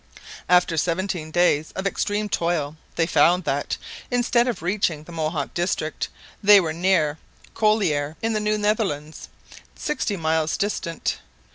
After seventeen days of extreme toil they found that, instead of reaching the Mohawk district, they were near Corlaer in the New Netherlands, sixty miles distant.